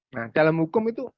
nah dalam hukum itu